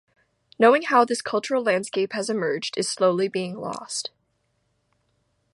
Knowing how this cultural landscape has emerged is slowly being lost.